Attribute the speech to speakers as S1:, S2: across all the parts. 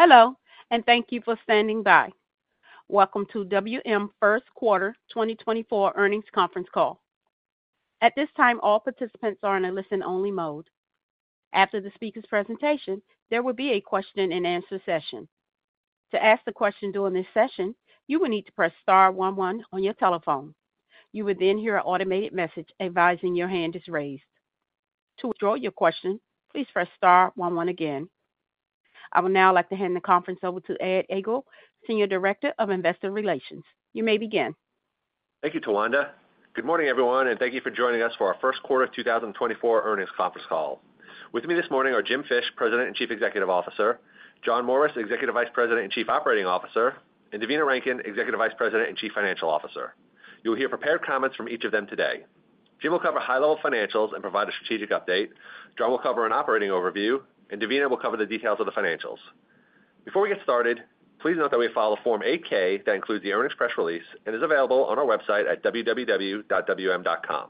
S1: Hello, and thank you for standing by. Welcome to WM First Quarter 2024 Earnings Conference Call. At this time, all participants are in a listen-only mode. After the speaker's presentation, there will be a question-and-answer session. To ask the question during this session, you will need to press star 11 on your telephone. You will then hear an automated message advising your hand is raised. To withdraw your question, please press star one one again. I would now like to hand the conference over to Ed Egl, Senior Director of Investor Relations. You may begin.
S2: Thank you, Tawanda. Good morning, everyone, and thank you for joining us for our First Quarter 2024 Earnings Conference Call. With me this morning are Jim Fish, President and Chief Executive Officer, John Morris, Executive Vice President and Chief Operating Officer, and Devina Rankin, Executive Vice President and Chief Financial Officer. You will hear prepared comments from each of them today. Jim will cover high-level financials and provide a strategic update, John will cover an operating overview, and Devina will cover the details of the financials. Before we get started, please note that we have filed a Form 8-K that includes the earnings press release and is available on our website at www.wm.com.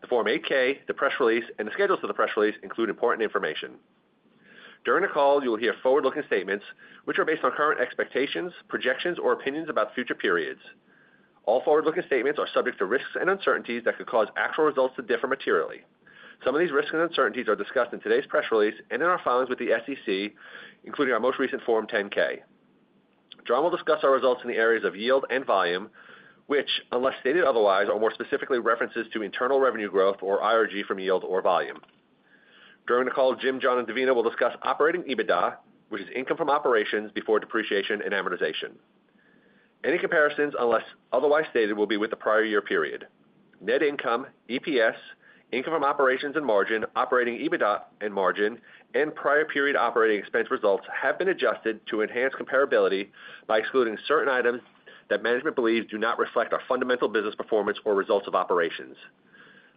S2: The Form 8-K, the press release, and the schedules for the press release include important information. During the call, you will hear forward-looking statements which are based on current expectations, projections, or opinions about future periods. All forward-looking statements are subject to risks and uncertainties that could cause actual results to differ materially. Some of these risks and uncertainties are discussed in today's press release and in our filings with the SEC, including our most recent Form 10-K. John will discuss our results in the areas of yield and volume, which, unless stated otherwise, are more specifically references to internal revenue growth or IRG from yield or volume. During the call, Jim, John, and Devina will discuss operating EBITDA, which is income from operations before depreciation and amortization. Any comparisons, unless otherwise stated, will be with the prior year period. Net income, EPS, income from operations and margin, operating EBITDA and margin, and prior period operating expense results have been adjusted to enhance comparability by excluding certain items that management believes do not reflect our fundamental business performance or results of operations.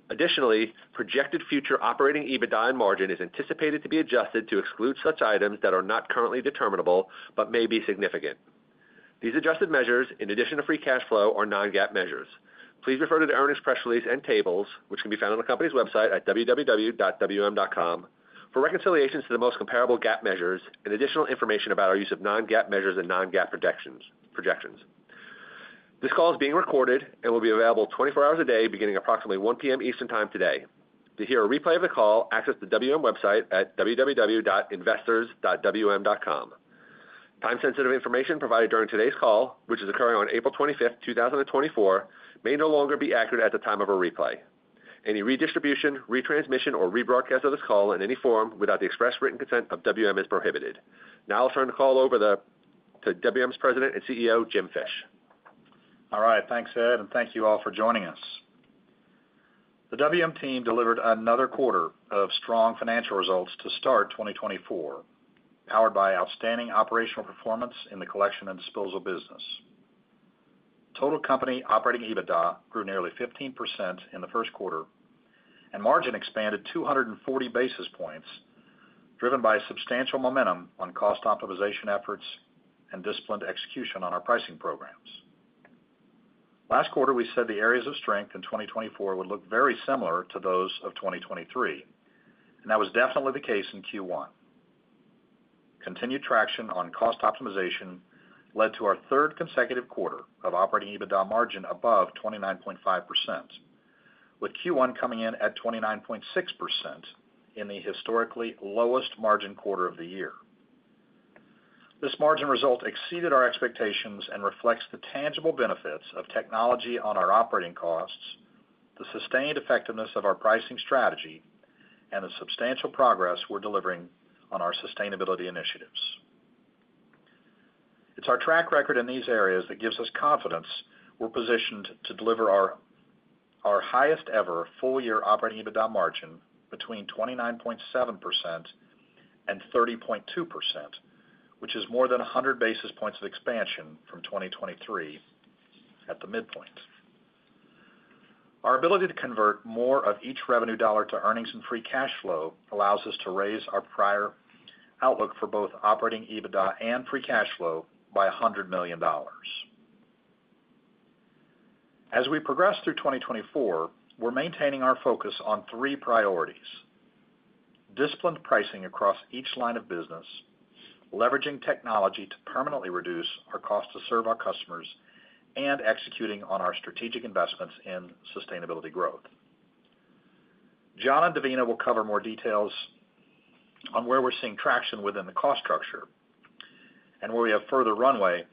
S2: Additionally, projected future operating EBITDA and margin is anticipated to be adjusted to exclude such items that are not currently determinable but may be significant. These adjusted measures, in addition to free cash flow, are non-GAAP measures. Please refer to the earnings press release and tables, which can be found on the company's website at www.wm.com, for reconciliations to the most comparable GAAP measures and additional information about our use of non-GAAP measures and non-GAAP projections. This call is being recorded and will be available 24 hours a day, beginning approximately 1:00 P.M. Eastern Time today. To hear a replay of the call, access the WM website at www.investors.wm.com. Time-sensitive information provided during today's call, which is occurring on April 25th, 2024, may no longer be accurate at the time of a replay. Any redistribution, retransmission, or rebroadcast of this call in any form without the express written consent of WM is prohibited. Now I'll turn the call over to WM's President and CEO, Jim Fish.
S3: All right. Thanks, Ed, and thank you all for joining us. The WM team delivered another quarter of strong financial results to start 2024, powered by outstanding operational performance in the collection and disposal business. Total company operating EBITDA grew nearly 15% in the first quarter, and margin expanded 240 basis points, driven by substantial momentum on cost optimization efforts and disciplined execution on our pricing programs. Last quarter, we said the areas of strength in 2024 would look very similar to those of 2023, and that was definitely the case in Q1. Continued traction on cost optimization led to our third consecutive quarter of operating EBITDA margin above 29.5%, with Q1 coming in at 29.6% in the historically lowest margin quarter of the year. This margin result exceeded our expectations and reflects the tangible benefits of technology on our operating costs, the sustained effectiveness of our pricing strategy, and the substantial progress we're delivering on our sustainability initiatives. It's our track record in these areas that gives us confidence we're positioned to deliver our highest-ever full-year operating EBITDA margin between 29.7%-30.2%, which is more than 100 basis points of expansion from 2023 at the midpoint. Our ability to convert more of each revenue dollar to earnings and free cash flow allows us to raise our prior outlook for both Operating EBITDA and free cash flow by $100 million. As we progress through 2024, we're maintaining our focus on three priorities: disciplined pricing across each line of business, leveraging technology to permanently reduce our cost to serve our customers, and executing on our strategic investments in sustainability growth. John and Devina will cover more details on where we're seeing traction within the cost structure and where we have further runway,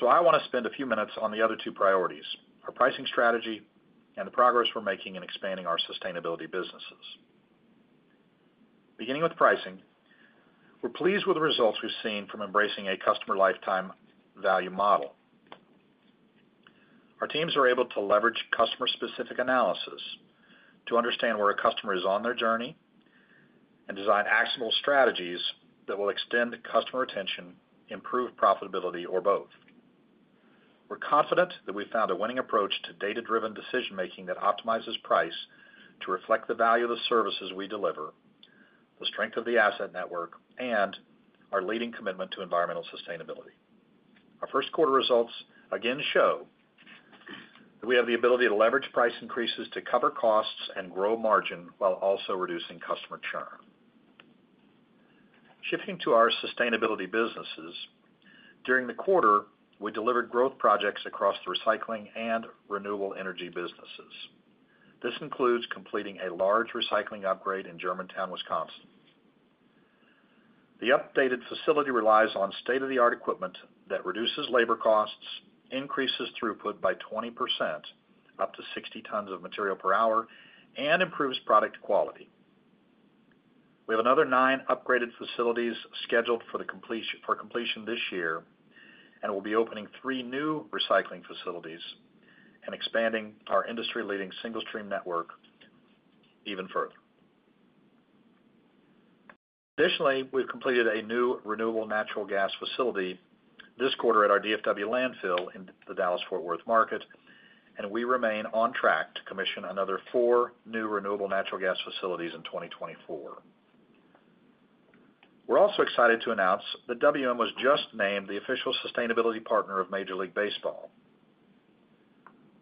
S3: so I want to spend a few minutes on the other two priorities: our pricing strategy and the progress we're making in expanding our sustainability businesses. Beginning with pricing, we're pleased with the results we've seen from embracing a customer lifetime value model. Our teams are able to leverage customer-specific analysis to understand where a customer is on their journey and design actionable strategies that will extend customer retention, improve profitability, or both. We're confident that we've found a winning approach to data-driven decision-making that optimizes price to reflect the value of the services we deliver, the strength of the asset network, and our leading commitment to environmental sustainability. Our first quarter results again show that we have the ability to leverage price increases to cover costs and grow margin while also reducing customer churn. Shifting to our sustainability businesses, during the quarter, we delivered growth projects across the recycling and renewable energy businesses. This includes completing a large recycling upgrade in Germantown, Wisconsin. The updated facility relies on state-of-the-art equipment that reduces labor costs, increases throughput by 20%, up to 60 tons of material per hour, and improves product quality. We have another nine upgraded facilities scheduled for completion this year, and we'll be opening three new recycling facilities and expanding our industry-leading single-stream network even further. Additionally, we've completed a new renewable natural gas facility this quarter at our DFW landfill in the Dallas-Fort Worth market, and we remain on track to commission another four new renewable natural gas facilities in 2024. We're also excited to announce that WM was just named the official sustainability partner of Major League Baseball.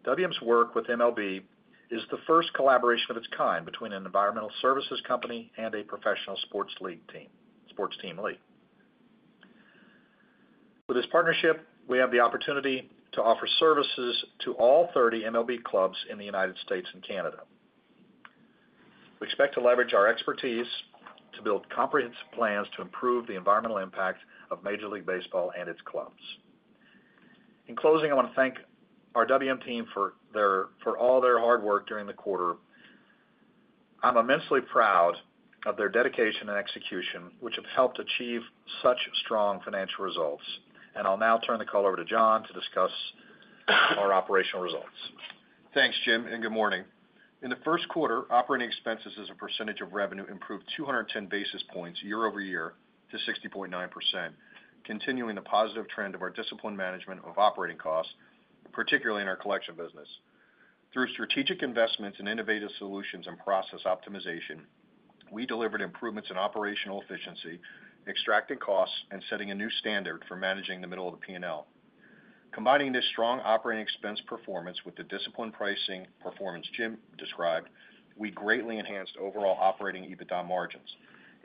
S3: WM's work with MLB is the first collaboration of its kind between an environmental services company and a professional sports team league. With this partnership, we have the opportunity to offer services to all 30 MLB clubs in the United States and Canada. We expect to leverage our expertise to build comprehensive plans to improve the environmental impact of Major League Baseball and its clubs. In closing, I want to thank our WM team for all their hard work during the quarter. I'm immensely proud of their dedication and execution, which have helped achieve such strong financial results, and I'll now turn the call over to John to discuss our operational results.
S4: Thanks, Jim, and good morning. In the first quarter, operating expenses as a percentage of revenue improved 210 basis points year-over-year to 60.9%, continuing the positive trend of our disciplined management of operating costs, particularly in our collection business. Through strategic investments in innovative solutions and process optimization, we delivered improvements in operational efficiency, extracting costs, and setting a new standard for managing the middle of the P&L. Combining this strong operating expense performance with the disciplined pricing performance Jim described, we greatly enhanced overall operating EBITDA margins.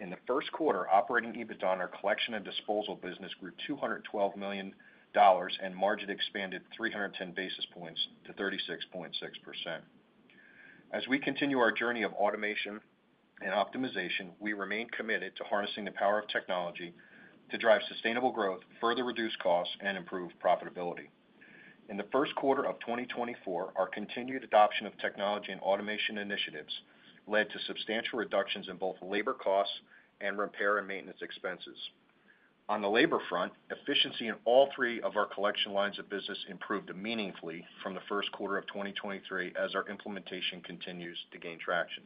S4: In the first quarter, operating EBITDA on our collection and disposal business grew $212 million, and margin expanded 310 basis points to 36.6%. As we continue our journey of automation and optimization, we remain committed to harnessing the power of technology to drive sustainable growth, further reduce costs, and improve profitability. In the first quarter of 2024, our continued adoption of technology and automation initiatives led to substantial reductions in both labor costs and repair and maintenance expenses. On the labor front, efficiency in all three of our collection lines of business improved meaningfully from the first quarter of 2023 as our implementation continues to gain traction.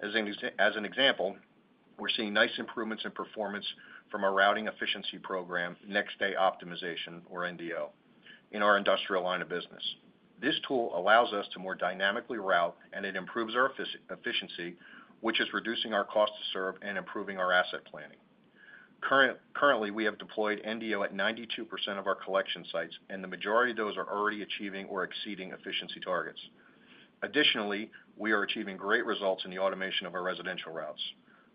S4: As an example, we're seeing nice improvements in performance from our routing efficiency program, Next Day Optimization, or NDO, in our industrial line of business. This tool allows us to more dynamically route, and it improves our efficiency, which is reducing our cost to serve and improving our asset planning. Currently, we have deployed NDO at 92% of our collection sites, and the majority of those are already achieving or exceeding efficiency targets. Additionally, we are achieving great results in the automation of our residential routes.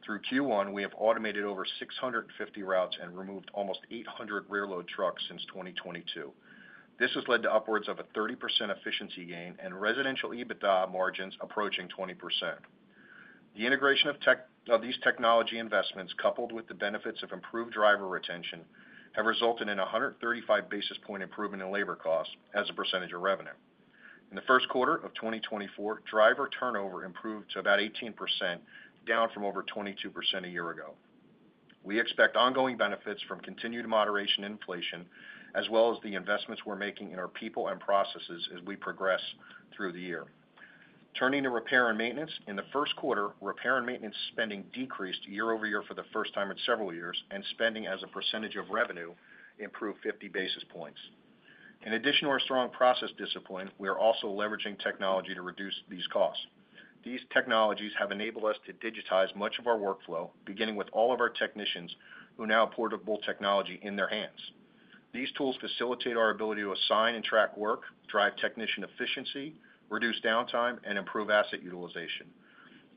S4: Through Q1, we have automated over 650 routes and removed almost 800 rear-load trucks since 2022. This has led to upwards of a 30% efficiency gain and residential EBITDA margins approaching 20%. The integration of these technology investments, coupled with the benefits of improved driver retention, have resulted in a 135 basis point improvement in labor costs as a percentage of revenue. In the first quarter of 2024, driver turnover improved to about 18%, down from over 22% a year ago. We expect ongoing benefits from continued moderation in inflation, as well as the investments we're making in our people and processes as we progress through the year. Turning to repair and maintenance, in the first quarter, repair and maintenance spending decreased year-over-year for the first time in several years, and spending as a percentage of revenue improved 50 basis points. In addition to our strong process discipline, we are also leveraging technology to reduce these costs. These technologies have enabled us to digitize much of our workflow, beginning with all of our technicians who now have portable technology in their hands. These tools facilitate our ability to assign and track work, drive technician efficiency, reduce downtime, and improve asset utilization.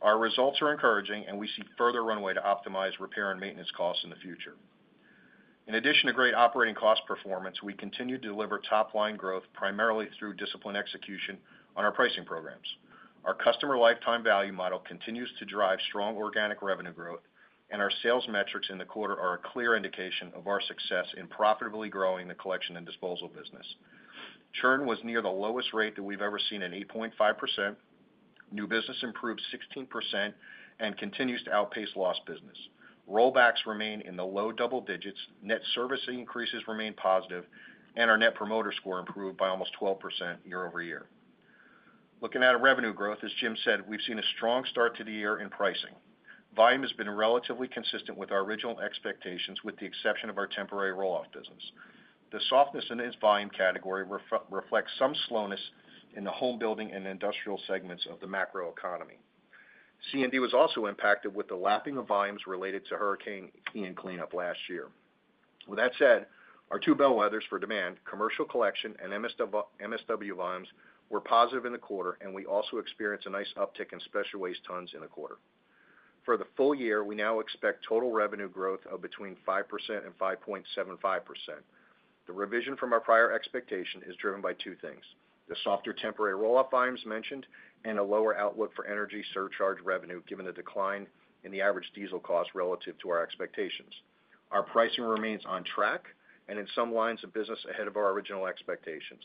S4: Our results are encouraging, and we see further runway to optimize repair and maintenance costs in the future. In addition to great operating cost performance, we continue to deliver top-line growth primarily through disciplined execution on our pricing programs. Our Customer Lifetime Value model continues to drive strong organic revenue growth, and our sales metrics in the quarter are a clear indication of our success in profitably growing the collection and disposal business. Churn was near the lowest rate that we've ever seen at 8.5%. New business improved 16% and continues to outpace lost business. Rollbacks remain in the low double digits, net service increases remain positive, and our net promoter score improved by almost 12% year-over-year. Looking at revenue growth, as Jim said, we've seen a strong start to the year in pricing. Volume has been relatively consistent with our original expectations, with the exception of our temporary roll-off business. The softness in this volume category reflects some slowness in the homebuilding and industrial segments of the macroeconomy. C&D was also impacted with the lapping of volumes related to Hurricane Ian cleanup last year. With that said, our two bellwethers for demand, commercial collection and MSW volumes, were positive in the quarter, and we also experienced a nice uptick in special waste tons in the quarter. For the full year, we now expect total revenue growth of between 5% and 5.75%. The revision from our prior expectation is driven by two things: the softer temporary roll-off volumes mentioned and a lower outlook for energy surcharge revenue given the decline in the average diesel cost relative to our expectations. Our pricing remains on track and in some lines of business ahead of our original expectations.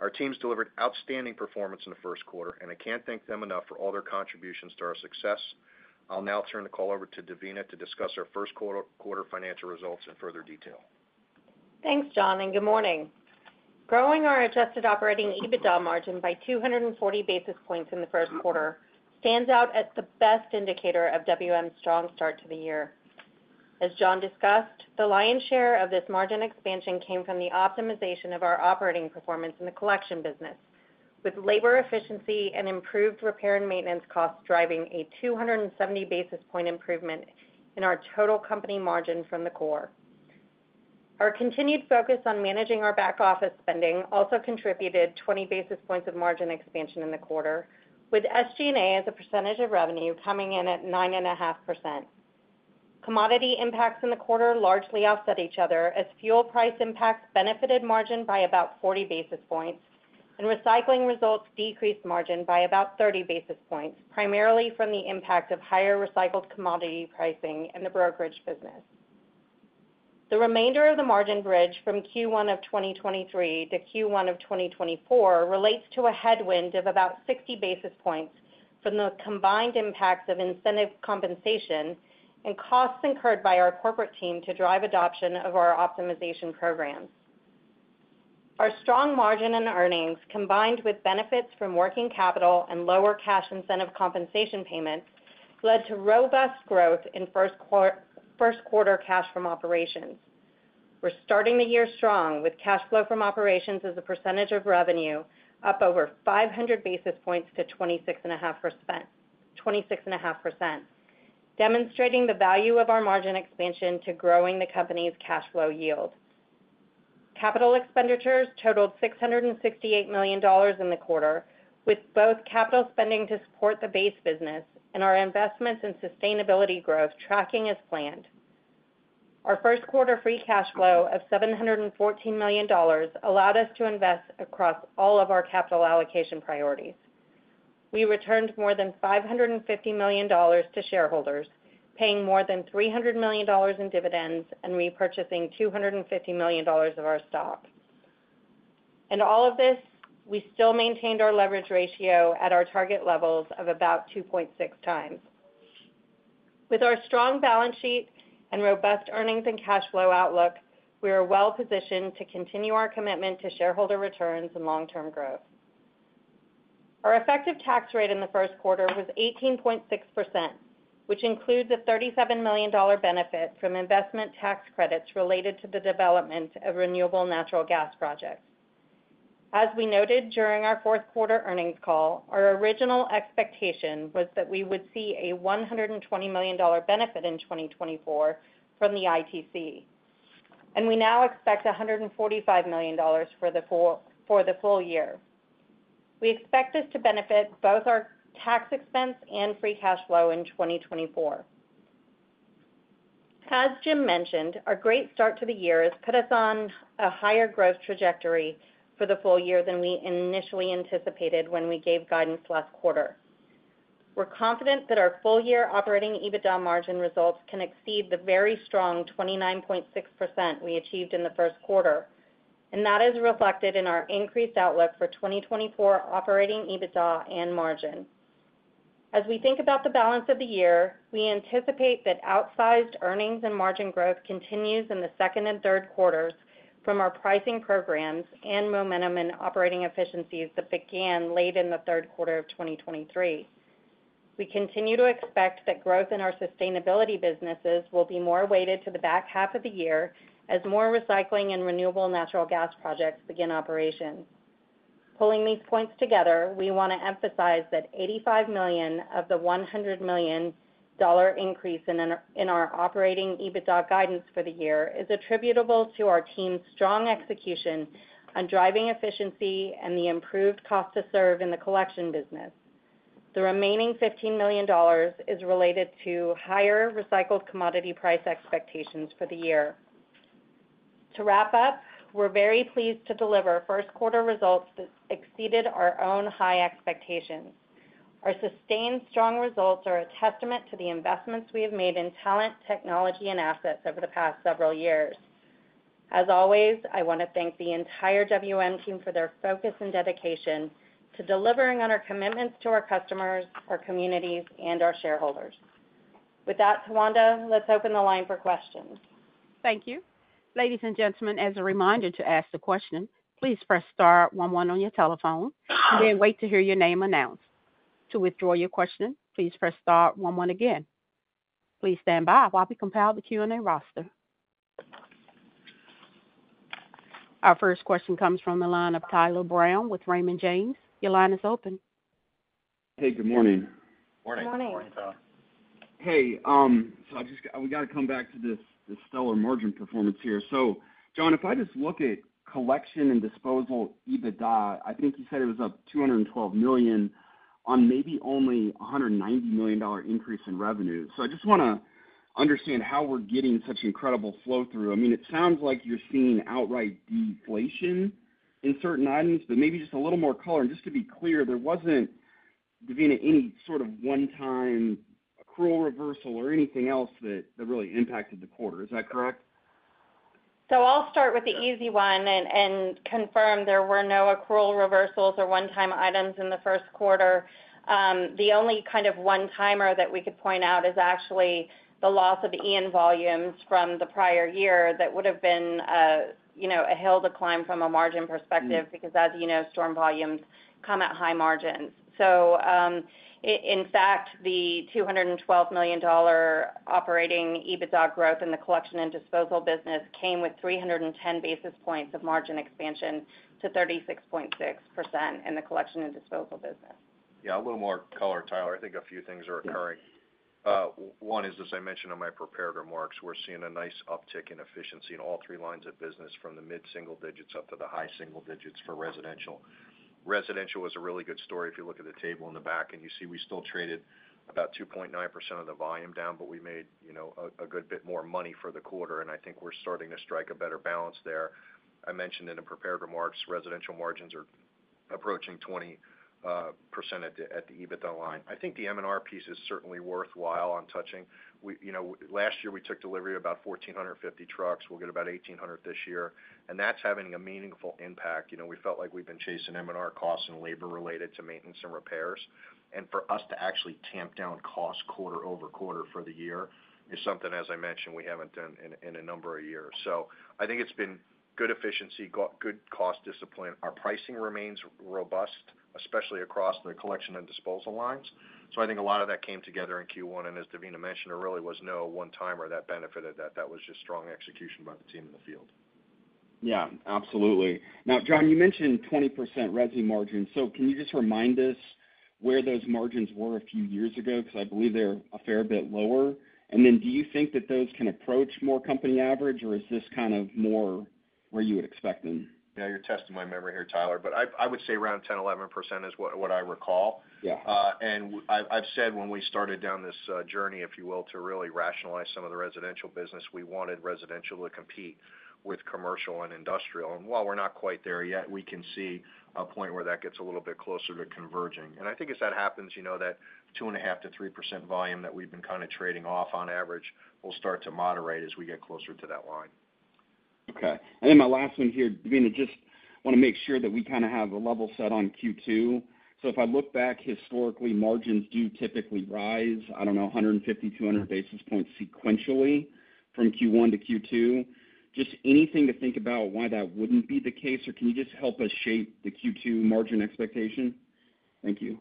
S4: Our teams delivered outstanding performance in the first quarter, and I can't thank them enough for all their contributions to our success. I'll now turn the call over to Devina to discuss our first quarter financial results in further detail.
S5: Thanks, John, and good morning. Growing our adjusted operating EBITDA margin by 240 basis points in the first quarter stands out as the best indicator of WM's strong start to the year. As John discussed, the lion's share of this margin expansion came from the optimization of our operating performance in the collection business, with labor efficiency and improved repair and maintenance costs driving a 270 basis points improvement in our total company margin from the core. Our continued focus on managing our back office spending also contributed 20 basis points of margin expansion in the quarter, with SG&A as a percentage of revenue coming in at 9.5%. Commodity impacts in the quarter largely offset each other, as fuel price impacts benefited margin by about 40 basis points, and recycling results decreased margin by about 30 basis points, primarily from the impact of higher recycled commodity pricing in the brokerage business. The remainder of the margin bridge from Q1 of 2023 to Q1 of 2024 relates to a headwind of about 60 basis points from the combined impacts of incentive compensation and costs incurred by our corporate team to drive adoption of our optimization programs. Our strong margin and earnings, combined with benefits from working capital and lower cash incentive compensation payments, led to robust growth in first quarter cash from operations. We're starting the year strong, with cash flow from operations as a percentage of revenue up over 500 basis points to 26.5%, demonstrating the value of our margin expansion to growing the company's cash flow yield. Capital expenditures totaled $668 million in the quarter, with both capital spending to support the base business and our investments in sustainability growth tracking as planned. Our first quarter free cash flow of $714 million allowed us to invest across all of our capital allocation priorities. We returned more than $550 million to shareholders, paying more than $300 million in dividends and repurchasing $250 million of our stock. In all of this, we still maintained our leverage ratio at our target levels of about 2.6x. With our strong balance sheet and robust earnings and cash flow outlook, we are well positioned to continue our commitment to shareholder returns and long-term growth. Our effective tax rate in the first quarter was 18.6%, which includes a $37 million benefit from investment tax credits related to the development of renewable natural gas projects. As we noted during our fourth quarter earnings call, our original expectation was that we would see a $120 million benefit in 2024 from the ITC, and we now expect $145 million for the full year. We expect this to benefit both our tax expense and free cash flow in 2024. As Jim mentioned, our great start to the year has put us on a higher growth trajectory for the full year than we initially anticipated when we gave guidance last quarter. We're confident that our full-year operating EBITDA margin results can exceed the very strong 29.6% we achieved in the first quarter, and that is reflected in our increased outlook for 2024 operating EBITDA and margin. As we think about the balance of the year, we anticipate that outsized earnings and margin growth continues in the second and third quarters from our pricing programs and momentum in operating efficiencies that began late in the third quarter of 2023. We continue to expect that growth in our sustainability businesses will be more weighted to the back half of the year as more recycling and renewable natural gas projects begin operation. Pulling these points together, we want to emphasize that $85 million of the $100 million increase in our operating EBITDA guidance for the year is attributable to our team's strong execution on driving efficiency and the improved cost to serve in the collection business. The remaining $15 million is related to higher recycled commodity price expectations for the year. To wrap up, we're very pleased to deliver first quarter results that exceeded our own high expectations. Our sustained strong results are a testament to the investments we have made in talent, technology, and assets over the past several years. As always, I want to thank the entire WM team for their focus and dedication to delivering on our commitments to our customers, our communities, and our shareholders. With that, Tawanda, let's open the line for questions.
S1: Thank you. Ladies and gentlemen, as a reminder to ask the question, please press star one one on your telephone and then wait to hear your name announced. To withdraw your question, please press star one one again. Please stand by while we compile the Q&A roster. Our first question comes from the line of Tyler Brown with Raymond James. Your line is open.
S6: Hey, good morning.
S4: Morning.
S5: Morning.
S4: Morning, Tyler.
S6: Hey, so we got to come back to this stellar margin performance here. So, John, if I just look at collection and disposal EBITDA, I think you said it was up $212 million on maybe only a $190 million increase in revenue. So I just want to understand how we're getting such incredible flow through. I mean, it sounds like you're seeing outright deflation in certain items, but maybe just a little more color. And just to be clear, there wasn't, Devina, any sort of one-time accrual reversal or anything else that really impacted the quarter. Is that correct?
S5: So I'll start with the easy one and confirm there were no accrual reversals or one-time items in the first quarter. The only kind of one-timer that we could point out is actually the loss of Ian volumes from the prior year that would have been a hill to climb from a margin perspective because, as you know, storm volumes come at high margins. So, in fact, the $212 million operating EBITDA growth in the collection and disposal business came with 310 basis points of margin expansion to 36.6% in the collection and disposal business.
S4: Yeah, a little more color, Tyler. I think a few things are occurring. One is, as I mentioned in my prepared remarks, we're seeing a nice uptick in efficiency in all three lines of business from the mid-single digits up to the high single digits for residential. Residential was a really good story if you look at the table in the back, and you see we still traded about 2.9% of the volume down, but we made a good bit more money for the quarter, and I think we're starting to strike a better balance there. I mentioned in the prepared remarks, residential margins are approaching 20% at the EBITDA line. I think the M&R piece is certainly worthwhile on touching. Last year, we took delivery of about 1,450 trucks. We'll get about 1,800 this year, and that's having a meaningful impact. We felt like we've been chasing M&R costs and labor-related to maintenance and repairs. And for us to actually tamp down costs quarter over quarter for the year is something, as I mentioned, we haven't done in a number of years. So I think it's been good efficiency, good cost discipline. Our pricing remains robust, especially across the collection and disposal lines. So I think a lot of that came together in Q1, and as Devina mentioned, there really was no one-timer that benefited that. That was just strong execution by the team in the field.
S6: Yeah, absolutely. Now, John, you mentioned 20% resi margins. So can you just remind us where those margins were a few years ago? Because I believe they're a fair bit lower. And then do you think that those can approach more company average, or is this kind of more where you would expect them?
S4: Yeah, you're testing my memory here, Tyler, but I would say around 10%-11% is what I recall. I've said when we started down this journey, if you will, to really rationalize some of the residential business, we wanted residential to compete with commercial and industrial. While we're not quite there yet, we can see a point where that gets a little bit closer to converging. I think as that happens, that 2.5%-3% volume that we've been kind of trading off on average will start to moderate as we get closer to that line.
S6: Okay. And then my last one here, Devina, just want to make sure that we kind of have a level set on Q2. So if I look back historically, margins do typically rise, I don't know, 150-200 basis points sequentially from Q1 to Q2. Just anything to think about why that wouldn't be the case, or can you just help us shape the Q2 margin expectation? Thank you.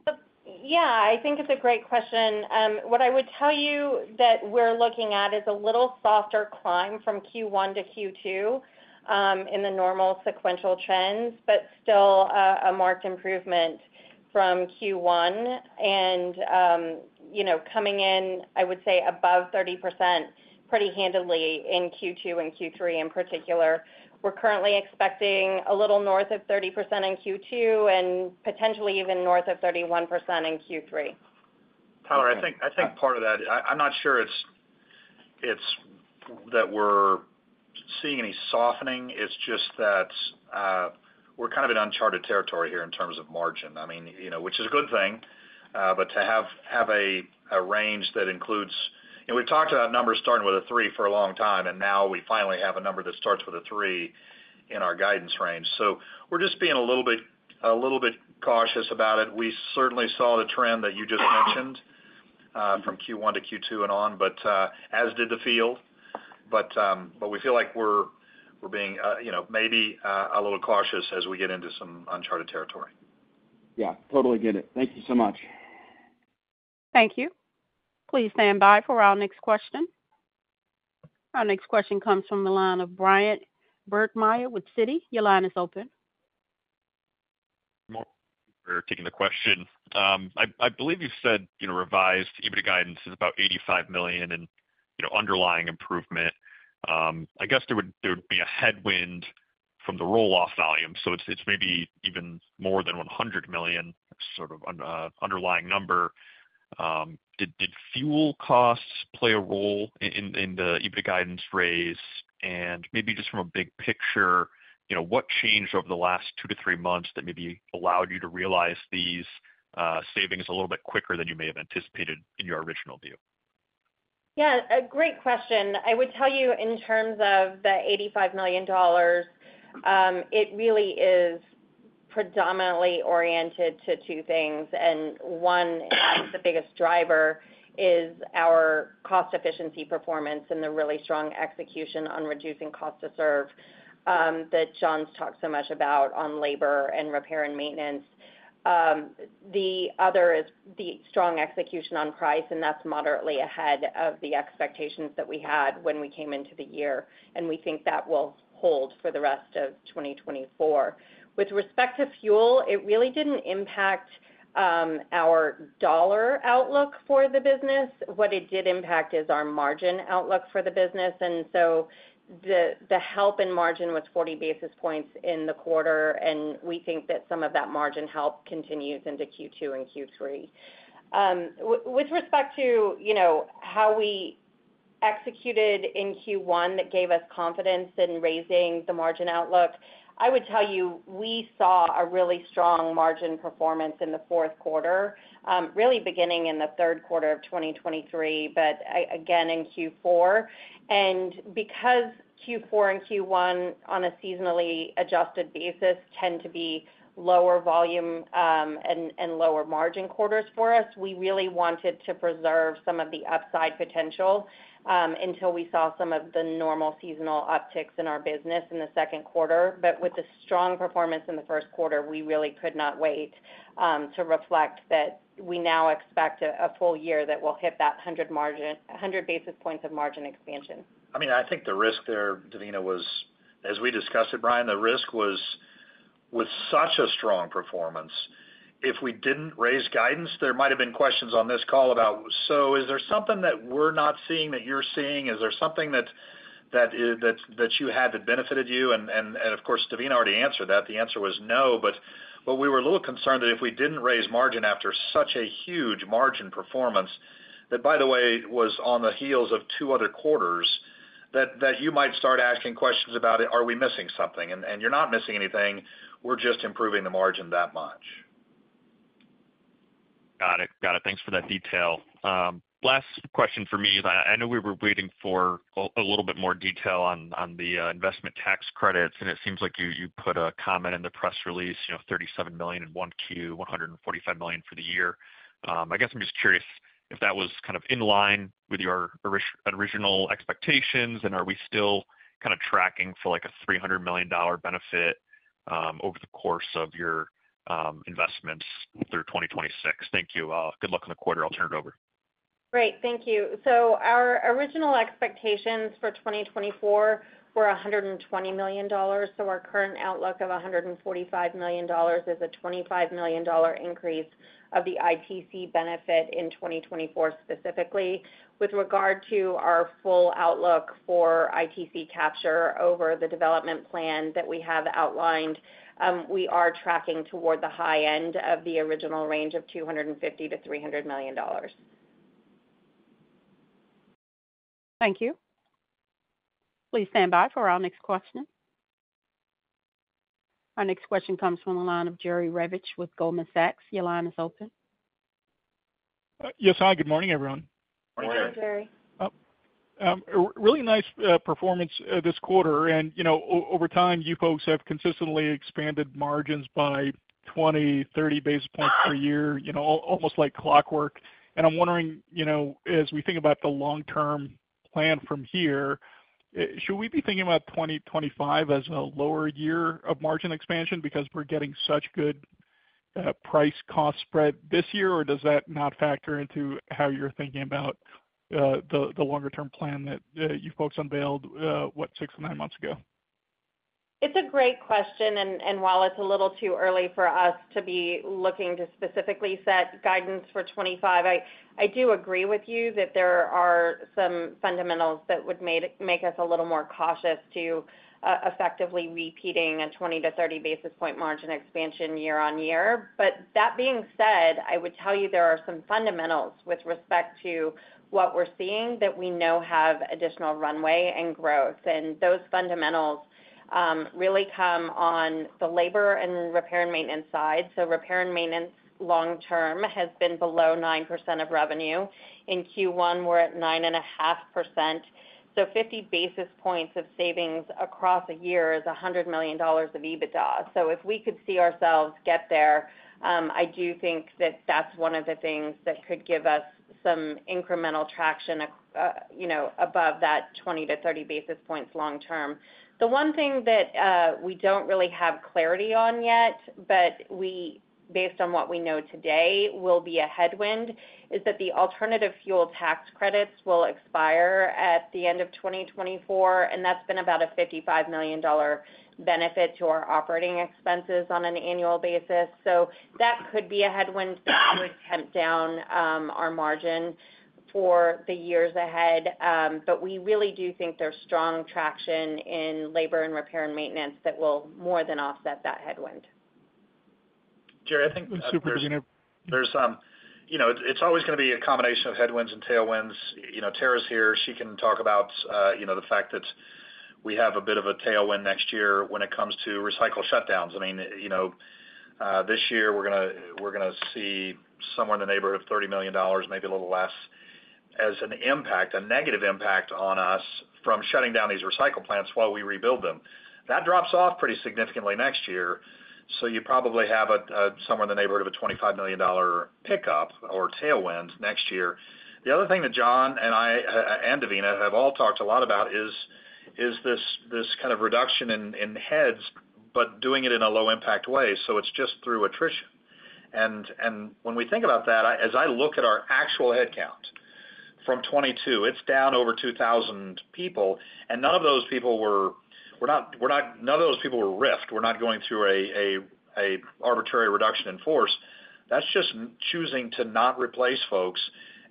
S5: Yeah, I think it's a great question. What I would tell you that we're looking at is a little softer climb from Q1 to Q2 in the normal sequential trends, but still a marked improvement from Q1. And coming in, I would say, above 30% pretty handily in Q2 and Q3 in particular. We're currently expecting a little north of 30% in Q2 and potentially even north of 31% in Q3.
S4: Tyler, I think part of that, I'm not sure that we're seeing any softening. It's just that we're kind of in uncharted territory here in terms of margin, which is a good thing. But to have a range that includes, we've talked about numbers starting with a three for a long time, and now we finally have a number that starts with a three in our guidance range. So we're just being a little bit cautious about it. We certainly saw the trend that you just mentioned from Q1 to Q2 and on, as did the field. But we feel like we're being maybe a little cautious as we get into some uncharted territory.
S6: Yeah, totally get it. Thank you so much.
S1: Thank you. Please stand by for our next question. Our next question comes from the line of Bryan Burgmeier with Citi. Your line is open.
S7: We're taking the question. I believe you said revised EBITDA guidance is about $85 million in underlying improvement. I guess there would be a headwind from the roll-off volume. So it's maybe even more than $100 million, sort of underlying number. Did fuel costs play a role in the EBITDA guidance raise? And maybe just from a big picture, what changed over the last two-three months that maybe allowed you to realize these savings a little bit quicker than you may have anticipated in your original view?
S5: Yeah, a great question. I would tell you, in terms of the $85 million, it really is predominantly oriented to two things. And one, the biggest driver is our cost efficiency performance and the really strong execution on reducing cost to serve that John's talked so much about on labor and repair and maintenance. The other is the strong execution on price, and that's moderately ahead of the expectations that we had when we came into the year. And we think that will hold for the rest of 2024. With respect to fuel, it really didn't impact our dollar outlook for the business. What it did impact is our margin outlook for the business. And so the help in margin was 40 basis points in the quarter, and we think that some of that margin help continues into Q2 and Q3. With respect to how we executed in Q1 that gave us confidence in raising the margin outlook, I would tell you we saw a really strong margin performance in the fourth quarter, really beginning in the third quarter of 2023, but again, in Q4. Because Q4 and Q1, on a seasonally adjusted basis, tend to be lower volume and lower margin quarters for us, we really wanted to preserve some of the upside potential until we saw some of the normal seasonal upticks in our business in the second quarter. With the strong performance in the first quarter, we really could not wait to reflect that we now expect a full year that will hit that 100 basis points of margin expansion.
S4: I mean, I think the risk there, Devina, was as we discussed it, Brian, the risk was with such a strong performance, if we didn't raise guidance, there might have been questions on this call about, "So is there something that we're not seeing that you're seeing? Is there something that you had that benefited you?" And of course, Devina already answered that. The answer was no. But we were a little concerned that if we didn't raise margin after such a huge margin performance that, by the way, was on the heels of two other quarters, that you might start asking questions about, "Are we missing something?" And you're not missing anything. We're just improving the margin that much.
S7: Got it. Got it. Thanks for that detail. Last question for me is I know we were waiting for a little bit more detail on the investment tax credits, and it seems like you put a comment in the press release, $37 million in 1Q, $145 million for the year. I guess I'm just curious if that was kind of in line with your original expectations, and are we still kind of tracking for a $300 million benefit over the course of your investments through 2026? Thank you. Good luck in the quarter. I'll turn it over.
S5: Great. Thank you. So our original expectations for 2024 were $120 million. So our current outlook of $145 million is a $25 million increase of the ITC benefit in 2024 specifically. With regard to our full outlook for ITC capture over the development plan that we have outlined, we are tracking toward the high end of the original range of $250 million-$300 million.
S1: Thank you. Please stand by for our next question. Our next question comes from the line of Jerry Revich with Goldman Sachs. Your line is open.
S8: Yes, hi. Good morning, everyone.
S5: Morning, Jerry.
S8: Really nice performance this quarter. Over time, you folks have consistently expanded margins by 20, 30 basis points per year, almost like clockwork. I'm wondering, as we think about the long-term plan from here, should we be thinking about 2025 as a lower year of margin expansion because we're getting such good price-cost spread this year, or does that not factor into how you're thinking about the longer-term plan that you folks unveiled, what, six-nine months ago?
S5: It's a great question. While it's a little too early for us to be looking to specifically set guidance for 2025, I do agree with you that there are some fundamentals that would make us a little more cautious to effectively repeating a 20-30 basis point margin expansion year on year. But that being said, I would tell you there are some fundamentals with respect to what we're seeing that we know have additional runway and growth. Those fundamentals really come on the labor and repair and maintenance side. So repair and maintenance long-term has been below 9% of revenue. In Q1, we're at 9.5%. So 50 basis points of savings across a year is $100 million of EBITDA. So if we could see ourselves get there, I do think that that's one of the things that could give us some incremental traction above that 20-30 basis points long-term. The one thing that we don't really have clarity on yet, but based on what we know today, will be a headwind, is that the alternative fuel tax credits will expire at the end of 2024. That's been about a $55 million benefit to our operating expenses on an annual basis. So that could be a headwind that would tamp down our margin for the years ahead. But we really do think there's strong traction in labor and repair and maintenance that will more than offset that headwind.
S3: Jerry, I think.
S8: Super, Devina.
S3: It's always going to be a combination of headwinds and tailwinds. Tara's here. She can talk about the fact that we have a bit of a tailwind next year when it comes to recycle shutdowns. I mean, this year, we're going to see somewhere in the neighborhood of $30 million, maybe a little less, as an impact, a negative impact on us from shutting down these recycle plants while we rebuild them. That drops off pretty significantly next year. So you probably have somewhere in the neighborhood of a $25 million pickup or tailwind next year. The other thing that John and I and Devina have all talked a lot about is this kind of reduction in heads, but doing it in a low-impact way. So it's just through attrition. And when we think about that, as I look at our actual headcount from 2022, it's down over 2,000 people. And none of those people were RIF'd. We're not going through an arbitrary reduction in force. That's just choosing to not replace folks.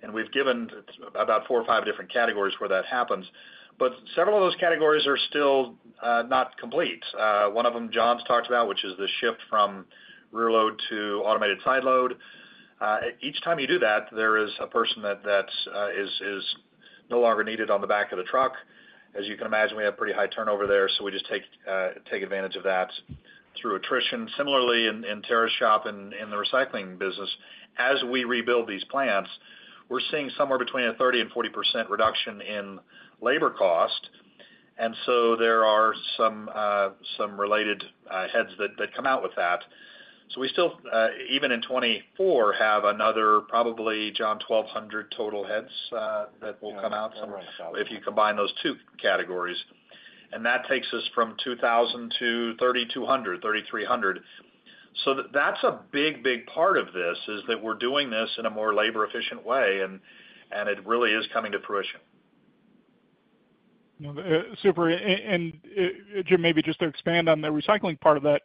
S3: And we've given about four or five different categories where that happens. But several of those categories are still not complete. One of them John's talked about, which is the shift from rear-load to automated side load. Each time you do that, there is a person that is no longer needed on the back of the truck. As you can imagine, we have pretty high turnover there, so we just take advantage of that through attrition. Similarly, in Tara's shop and in the recycling business, as we rebuild these plants, we're seeing somewhere between a 30%-40% reduction in labor cost. And so there are some related heads that come out with that. So we still, even in 2024, have another probably John 1,200 total heads that will come out if you combine those two categories. And that takes us from 2,000 to 3,200-3,300. So that's a big, big part of this, is that we're doing this in a more labor-efficient way, and it really is coming to fruition.
S8: Super. And Jim, maybe just to expand on the recycling part of that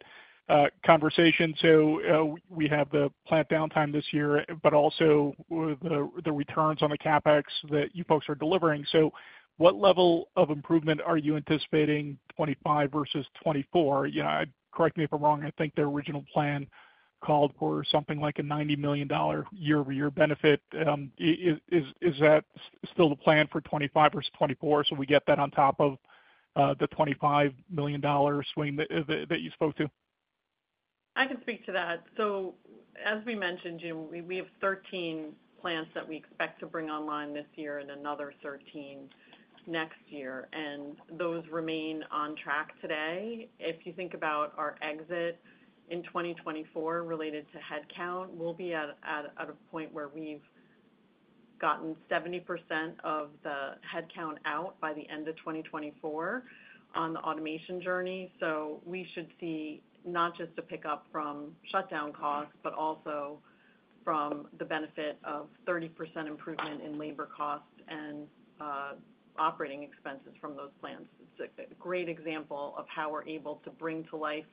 S8: conversation. So we have the plant downtime this year, but also the returns on the CapEx that you folks are delivering. So what level of improvement are you anticipating 2025 versus 2024? Correct me if I'm wrong. I think their original plan called for something like a $90 million year-over-year benefit. Is that still the plan for 2025 versus 2024 so we get that on top of the $25 million swing that you spoke to?
S9: I can speak to that. So as we mentioned, we have 13 plants that we expect to bring online this year and another 13 next year. Those remain on track today. If you think about our exit in 2024 related to headcount, we'll be at a point where we've gotten 70% of the headcount out by the end of 2024 on the automation journey. So we should see not just a pickup from shutdown costs, but also from the benefit of 30% improvement in labor costs and operating expenses from those plants. It's a great example of how we're able to bring to life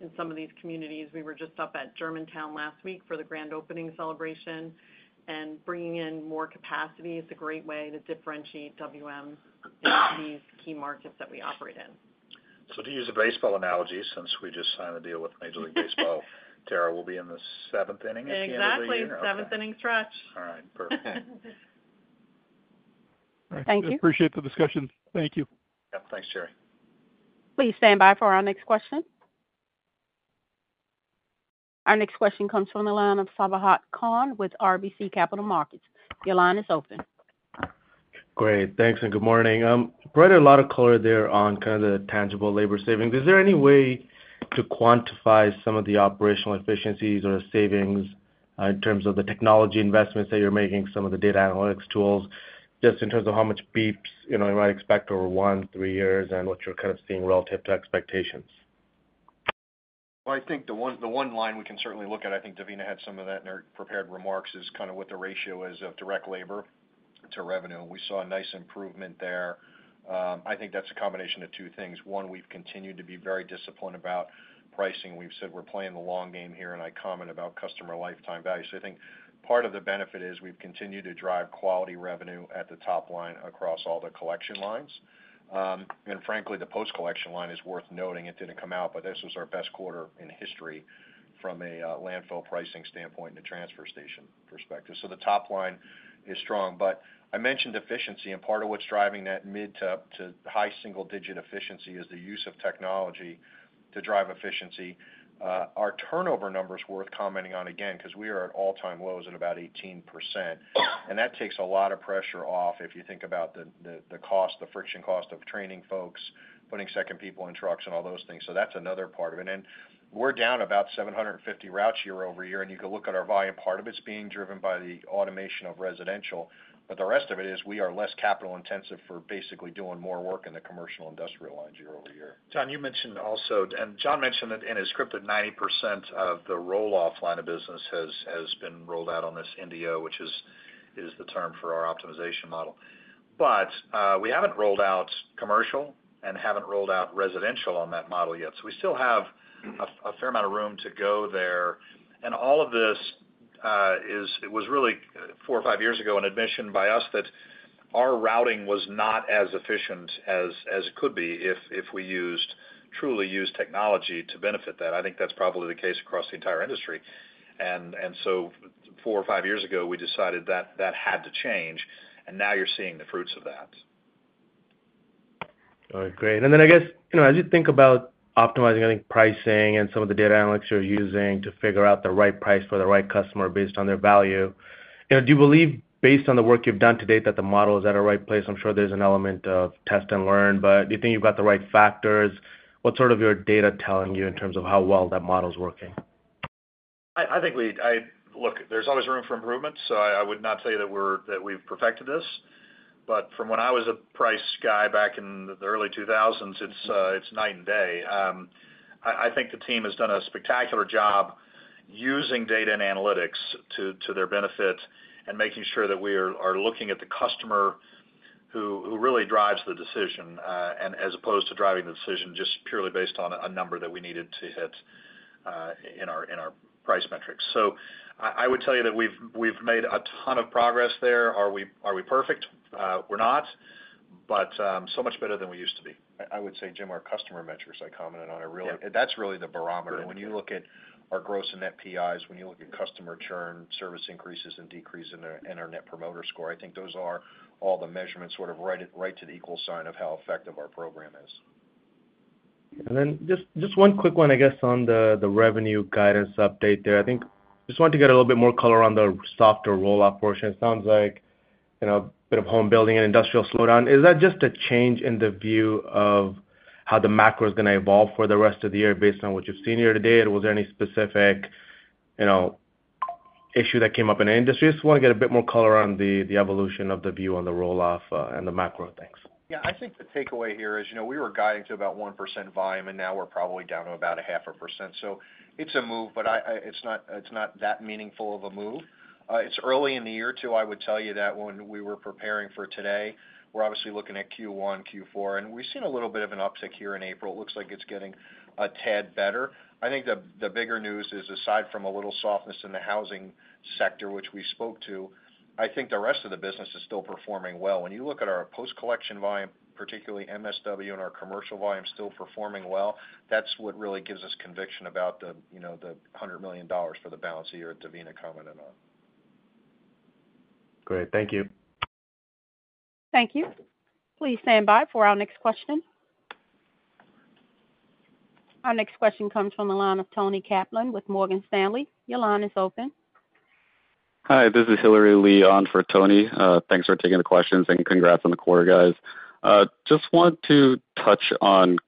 S9: in some of these communities. We were just up at Germantown last week for the grand opening celebration. Bringing in more capacity is a great way to differentiate WM into these key markets that we operate in.
S3: So to use a baseball analogy, since we just signed a deal with Major League Baseball, Tara, we'll be in the seventh inning at the end of the year.
S9: Exactly. Seventh inning stretch.
S3: All right. Perfect.
S1: Thank you.
S8: Appreciate the discussion. Thank you.
S3: Yep. Thanks, Jerry.
S1: Please stand by for our next question. Our next question comes from the line of Sabahat Khan with RBC Capital Markets. Your line is open.
S10: Great. Thanks and good morning. Tara, a lot of color there on kind of the tangible labor savings. Is there any way to quantify some of the operational efficiencies or savings in terms of the technology investments that you're making, some of the data analytics tools, just in terms of how much EPS you might expect over one, three years, and what you're kind of seeing relative to expectations?
S4: Well, I think the one line we can certainly look at, I think Devina had some of that in her prepared remarks, is kind of what the ratio is of direct labor to revenue. We saw a nice improvement there. I think that's a combination of two things. One, we've continued to be very disciplined about pricing. We've said we're playing the long game here, and I comment about customer lifetime value. So I think part of the benefit is we've continued to drive quality revenue at the top line across all the collection lines. And frankly, the post-collection line is worth noting. It didn't come out, but this was our best quarter in history from a landfill pricing standpoint and a transfer station perspective. So the top line is strong. But I mentioned efficiency, and part of what's driving that mid- to high-single-digit efficiency is the use of technology to drive efficiency. Our turnover number is worth commenting on again because we are at all-time lows at about 18%. And that takes a lot of pressure off if you think about the cost, the friction cost of training folks, putting second people in trucks, and all those things. So that's another part of it. And we're down about 750 routes year-over-year. And you could look at our volume. Part of it's being driven by the automation of residential. But the rest of it is we are less capital-intensive for basically doing more work in the commercial industrial lines year-over-year.
S3: John, you mentioned also and John mentioned it in his script that 90% of the roll-off line of business has been rolled out on this NDO, which is the term for our optimization model. But we haven't rolled out commercial and haven't rolled out residential on that model yet. So we still have a fair amount of room to go there. And all of this was really four or five years ago an admission by us that our routing was not as efficient as it could be if we truly used technology to benefit that. I think that's probably the case across the entire industry. And so four or five years ago, we decided that had to change. And now you're seeing the fruits of that.
S10: All right. Great. And then I guess as you think about optimizing, I think, pricing and some of the data analytics you're using to figure out the right price for the right customer based on their value, do you believe, based on the work you've done to date, that the model is at a right place? I'm sure there's an element of test and learn, but do you think you've got the right factors? What's sort of your data telling you in terms of how well that model's working?
S4: I think we look, there's always room for improvement. So I would not say that we've perfected this. But from when I was a price guy back in the early 2000s, it's night and day. I think the team has done a spectacular job using data and analytics to their benefit and making sure that we are looking at the customer who really drives the decision, as opposed to driving the decision just purely based on a number that we needed to hit in our price metrics. So I would tell you that we've made a ton of progress there. Are we perfect? We're not, but so much better than we used to be. I would say, Jim, our customer metrics, I commented on, are really that's really the barometer. When you look at our gross and net PIs, when you look at customer churn, service increases, and decrease in our Net Promoter Score, I think those are all the measurements sort of right to the equal sign of how effective our program is.
S10: Then just one quick one, I guess, on the revenue guidance update there. I think just want to get a little bit more color on the softer roll-off portion. It sounds like a bit of homebuilding and industrial slowdown. Is that just a change in the view of how the macro is going to evolve for the rest of the year based on what you've seen here today? Was there any specific issue that came up in the industry? I just want to get a bit more color on the evolution of the view on the roll-off and the macro things.
S4: Yeah. I think the takeaway here is we were guiding to about 1% volume, and now we're probably down to about 0.5%. So it's a move, but it's not that meaningful of a move. It's early in the year too, I would tell you, that when we were preparing for today, we're obviously looking at Q1, Q4. And we've seen a little bit of an uptick here in April. It looks like it's getting a tad better. I think the bigger news is, aside from a little softness in the housing sector, which we spoke to, I think the rest of the business is still performing well. When you look at our post-collection volume, particularly MSW and our commercial volume, still performing well, that's what really gives us conviction about the $100 million for the balance of year, Devina commented on.
S10: Great. Thank you.
S1: Thank you. Please stand by for our next question. Our next question comes from the line of Toni Kaplan with Morgan Stanley. Your line is open.
S11: Hi. This is Hilary Lee on for Toni. Thanks for taking the questions, and congrats on the quarter, guys. Just want to touch on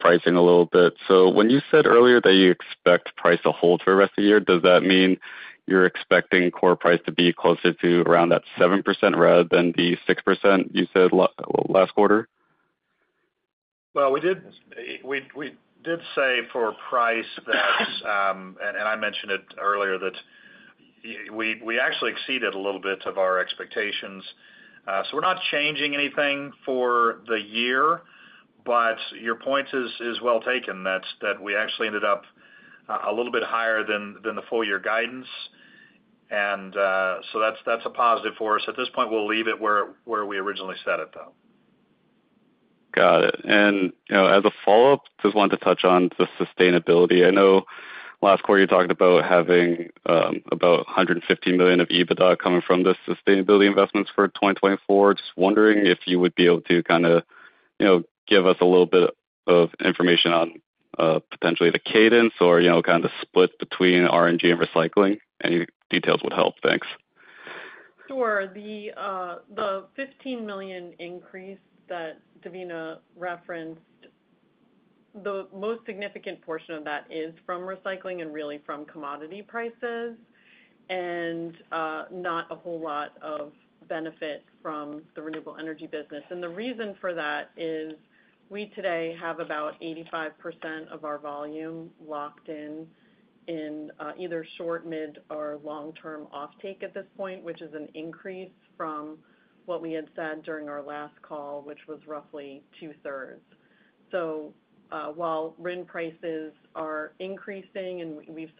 S11: pricing a little bit. So when you said earlier that you expect price to hold for the rest of the year, does that mean you're expecting core price to be closer to around that 7% rather than the 6% you said last quarter?
S4: Well, we did say for price that and I mentioned it earlier that we actually exceeded a little bit of our expectations. So we're not changing anything for the year. But your point is well taken, that we actually ended up a little bit higher than the full-year guidance. And so that's a positive for us. At this point, we'll leave it where we originally set it, though.
S11: Got it. And as a follow-up, just wanted to touch on the sustainability. I know last quarter, you talked about having about $150 million of EBITDA coming from the sustainability investments for 2024. Just wondering if you would be able to kind of give us a little bit of information on potentially the cadence or kind of the split between RNG and recycling. Any details would help. Thanks.
S9: Sure. The $15 million increase that Devina referenced, the most significant portion of that is from recycling and really from commodity prices and not a whole lot of benefit from the renewable energy business. And the reason for that is we today have about 85% of our volume locked in either short, mid, or long-term offtake at this point, which is an increase from what we had said during our last call, which was roughly two-thirds. So while RIN prices are increasing and we've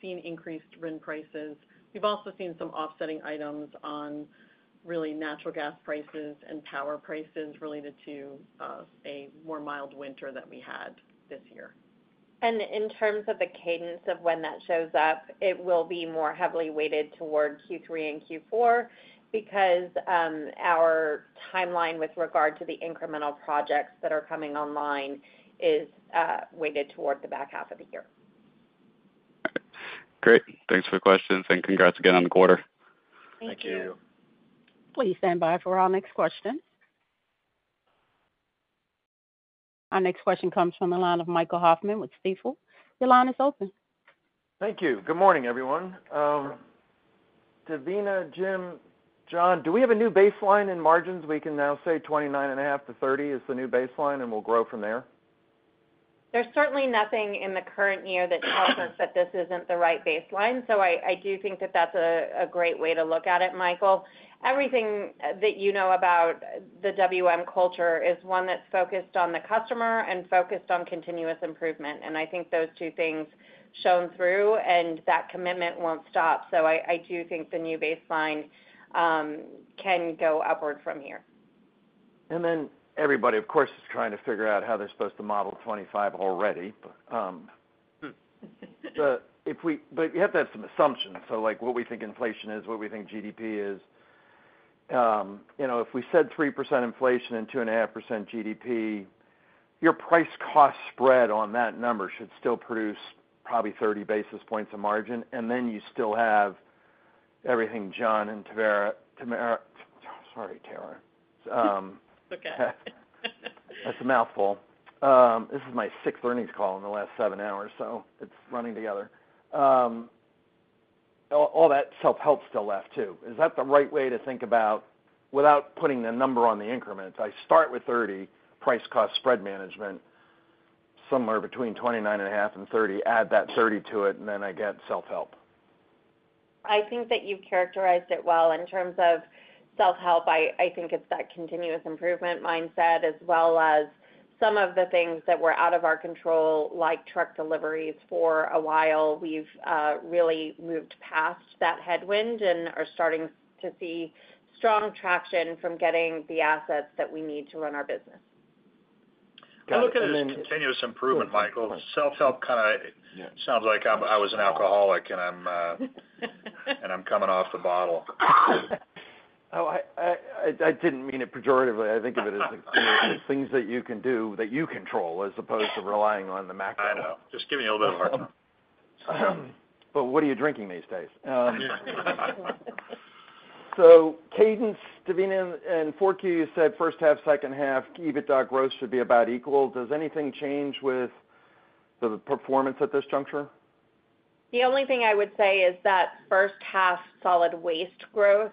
S9: seen increased RIN prices, we've also seen some offsetting items on really natural gas prices and power prices related to a more mild winter that we had this year.
S5: In terms of the cadence of when that shows up, it will be more heavily weighted toward Q3 and Q4 because our timeline with regard to the incremental projects that are coming online is weighted toward the back half of the year.
S11: Great. Thanks for the questions, and congrats again on the quarter.
S9: Thank you.
S1: Thank you. Please stand by for our next question. Our next question comes from the line of Michael Hoffman with Stifel. Your line is open.
S12: Thank you. Good morning, everyone. Devina, Jim, John, do we have a new baseline in margins? We can now say 29.5-30 is the new baseline, and we'll grow from there.
S5: There's certainly nothing in the current year that tells us that this isn't the right baseline. So I do think that that's a great way to look at it, Michael. Everything that you know about the WM culture is one that's focused on the customer and focused on continuous improvement. And I think those two things shone through, and that commitment won't stop. So I do think the new baseline can go upward from here.
S12: Then everybody, of course, is trying to figure out how they're supposed to model 2025 already. But you have to have some assumptions. So what we think inflation is, what we think GDP is. If we said 3% inflation and 2.5% GDP, your price-cost spread on that number should still produce probably 30 basis points of margin. And then you still have everything John and Tara, sorry, Tara.
S9: It's okay.
S12: That's a mouthful. This is my sixth earnings call in the last seven hours, so it's running together. All that self-help's still left too. Is that the right way to think about without putting the number on the increments? I start with 30 price-cost spread management somewhere between 29.5 and 30. Add that 30 to it, and then I get self-help.
S9: I think that you've characterized it well. In terms of self-help, I think it's that continuous improvement mindset as well as some of the things that were out of our control, like truck deliveries for a while, we've really moved past that headwind and are starting to see strong traction from getting the assets that we need to run our business.
S4: I look at it as continuous improvement, Michael. Self-help kind of sounds like I was an alcoholic, and I'm coming off the bottle.
S12: Oh, I didn't mean it pejoratively. I think of it as things that you can do that you control as opposed to relying on the macro.
S4: I know. Just giving you a little bit of a hard time.
S12: What are you drinking these days? Cadence, Devina, and 4Q, you said first half, second half, EBITDA growth should be about equal. Does anything change with the performance at this juncture?
S5: The only thing I would say is that first-half solid waste growth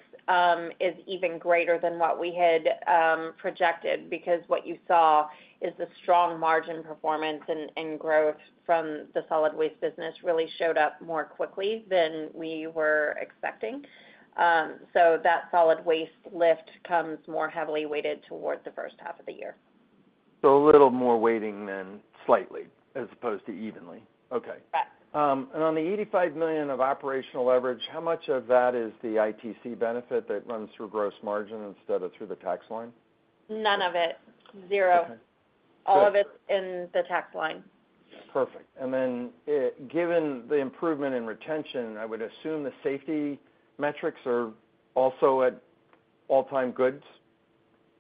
S5: is even greater than what we had projected because what you saw is the strong margin performance and growth from the solid waste business really showed up more quickly than we were expecting. So that solid waste lift comes more heavily weighted toward the first half of the year.
S12: So a little more weighting than slightly as opposed to evenly. Okay. And on the $85 million of operational leverage, how much of that is the ITC benefit that runs through gross margin instead of through the tax line?
S5: None of it. Zero. All of it's in the tax line.
S12: Perfect. And then, given the improvement in retention, I would assume the safety metrics are also at all-time highs?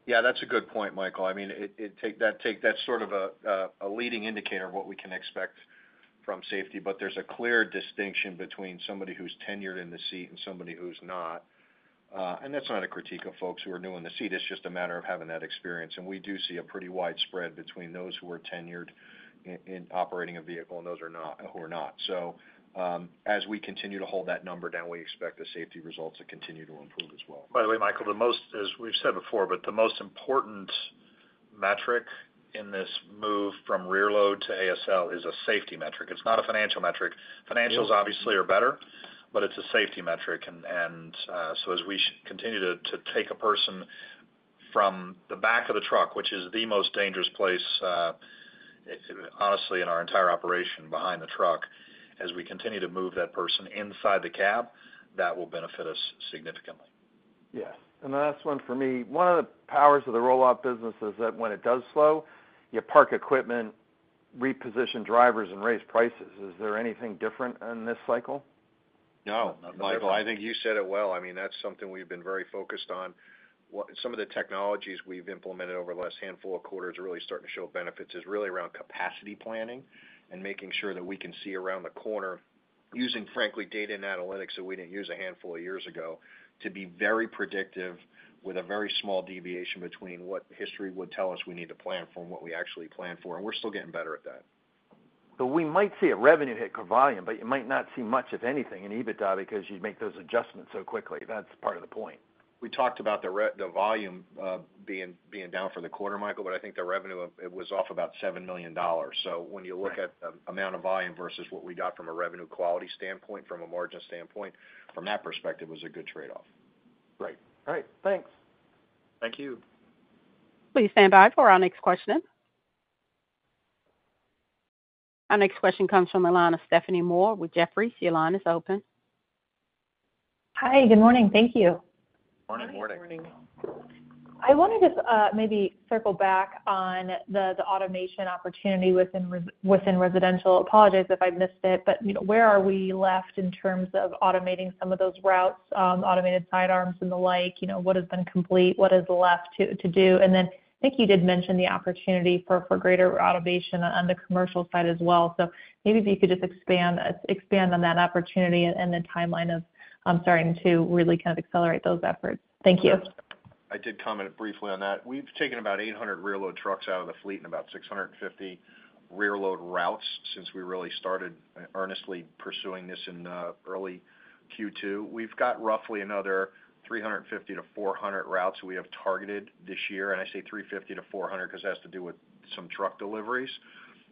S4: Yeah, that's a good point, Michael. I mean, that's sort of a leading indicator of what we can expect from safety. But there's a clear distinction between somebody who's tenured in the seat and somebody who's not. And that's not a critique of folks who are new in the seat. It's just a matter of having that experience. And we do see a pretty wide spread between those who are tenured in operating a vehicle and those who are not. So as we continue to hold that number down, we expect the safety results to continue to improve as well. By the way, Michael, as we've said before, but the most important metric in this move from rear load to ASL is a safety metric. It's not a financial metric. Financials, obviously, are better, but it's a safety metric. And so as we continue to take a person from the back of the truck, which is the most dangerous place, honestly, in our entire operation, behind the truck, as we continue to move that person inside the cab, that will benefit us significantly.
S12: Yes. The last one for me, one of the powers of the roll-off business is that when it does slow, you park equipment, reposition drivers, and raise prices. Is there anything different in this cycle?
S4: No, Michael. I think you said it well. I mean, that's something we've been very focused on. Some of the technologies we've implemented over the last handful of quarters are really starting to show benefits, is really around capacity planning and making sure that we can see around the corner, using, frankly, data and analytics that we didn't use a handful of years ago, to be very predictive with a very small deviation between what history would tell us we need to plan for and what we actually plan for. And we're still getting better at that.
S12: We might see a revenue hit for volume, but you might not see much, if anything, in EBITDA because you make those adjustments so quickly. That's part of the point.
S4: We talked about the volume being down for the quarter, Michael, but I think the revenue, it was off about $7 million. So when you look at the amount of volume versus what we got from a revenue quality standpoint, from a margin standpoint, from that perspective, was a good trade-off.
S12: Great. All right. Thanks.
S4: Thank you.
S1: Please stand by for our next question. Our next question comes from the line of Stephanie Moore with Jefferies. Your line is open.
S13: Hi. Good morning. Thank you.
S4: Morning.
S9: Good morning.
S5: Good morning.
S13: I wanted to maybe circle back on the automation opportunity within residential. Apologize if I missed it, but where are we left in terms of automating some of those routes, automated side arms and the like? What has been complete? What is left to do? And then I think you did mention the opportunity for greater automation on the commercial side as well. So maybe if you could just expand on that opportunity and the timeline of starting to really kind of accelerate those efforts. Thank you.
S4: I did comment briefly on that. We've taken about 800 rear-load trucks out of the fleet and about 650 rear-load routes since we really started earnestly pursuing this in early Q2. We've got roughly another 350-400 routes we have targeted this year. And I say 350-400 because it has to do with some truck deliveries.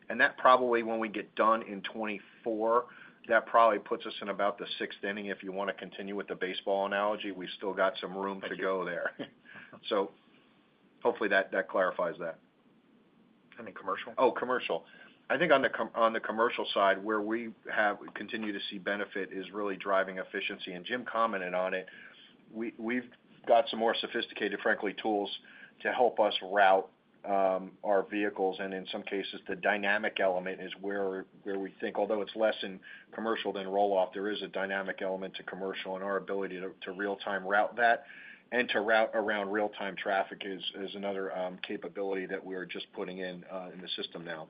S4: And that probably, when we get done in 2024, that probably puts us in about the sixth inning. If you want to continue with the baseball analogy, we've still got some room to go there. So hopefully, that clarifies that. And in commercial? Oh, commercial. I think on the commercial side, where we continue to see benefit is really driving efficiency. And Jim commented on it. We've got some more sophisticated, frankly, tools to help us route our vehicles. And in some cases, the dynamic element is where we think although it's less in commercial than roll-off, there is a dynamic element to commercial and our ability to real-time route that. And to route around real-time traffic is another capability that we are just putting in the system now.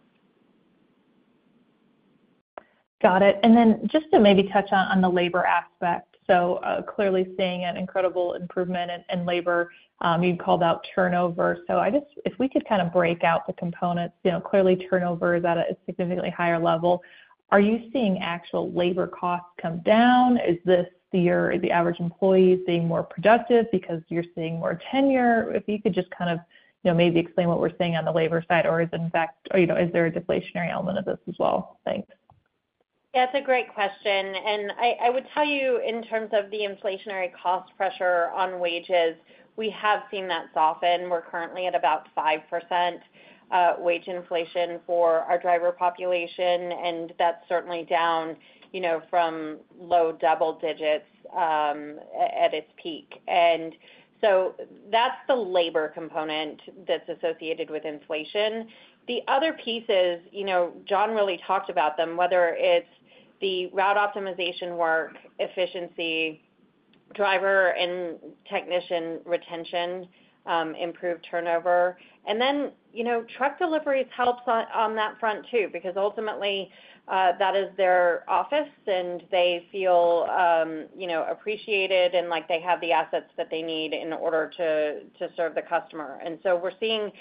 S13: Got it. And then just to maybe touch on the labor aspect, so clearly seeing an incredible improvement in labor. You called out turnover. So I guess if we could kind of break out the components, clearly, turnover is at a significantly higher level. Are you seeing actual labor costs come down? Is this the year the average employees being more productive because you're seeing more tenure? If you could just kind of maybe explain what we're seeing on the labor side, or is, in fact, is there a deflationary element of this as well? Thanks.
S5: Yeah, it's a great question. And I would tell you, in terms of the inflationary cost pressure on wages, we have seen that soften. We're currently at about 5% wage inflation for our driver population, and that's certainly down from low double digits at its peak. And so that's the labor component that's associated with inflation. The other pieces, John really talked about them, whether it's the route optimization work, efficiency, driver and technician retention, improved turnover. And then truck deliveries helps on that front too because ultimately, that is their office, and they feel appreciated and like they have the assets that they need in order to serve the customer. And so we're seeing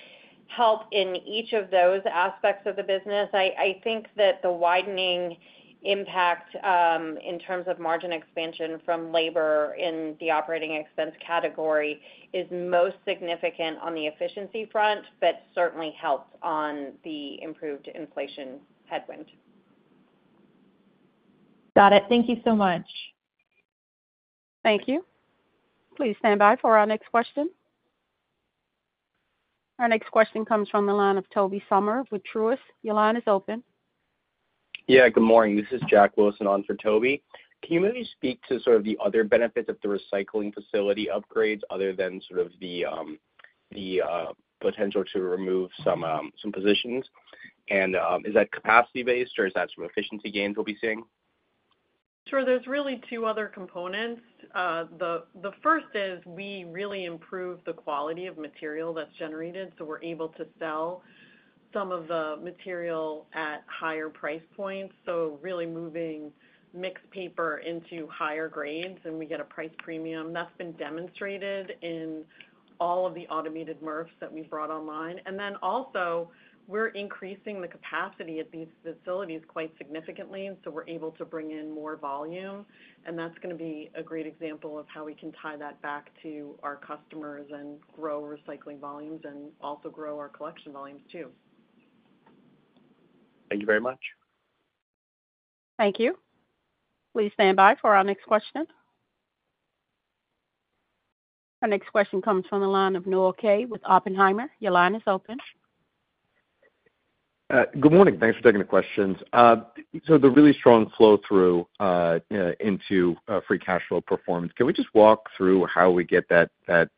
S5: help in each of those aspects of the business. I think that the widening impact in terms of margin expansion from labor in the operating expense category is most significant on the efficiency front but certainly helps on the improved inflation headwind.
S13: Got it. Thank you so much.
S1: Thank you. Please stand by for our next question. Our next question comes from the line of Tobey Sommer with Truist. Your line is open.
S14: Yeah. Good morning. This is Jack Wilson on for Tobey. Can you maybe speak to sort of the other benefits of the recycling facility upgrades other than sort of the potential to remove some positions? And is that capacity-based, or is that some efficiency gains we'll be seeing?
S9: Sure. There's really two other components. The first is we really improve the quality of material that's generated. So we're able to sell some of the material at higher price points. So really moving mixed paper into higher grades, and we get a price premium. That's been demonstrated in all of the automated MRFs that we've brought online. And then also, we're increasing the capacity at these facilities quite significantly. And so we're able to bring in more volume. And that's going to be a great example of how we can tie that back to our customers and grow recycling volumes and also grow our collection volumes too.
S14: Thank you very much.
S1: Thank you. Please stand by for our next question. Our next question comes from the line of Noah Kaye with Oppenheimer. Your line is open.
S15: Good morning. Thanks for taking the questions. So the really strong flow-through into free cash flow performance, can we just walk through how we get that